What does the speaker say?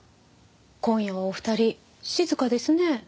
今夜はお二人静かですね。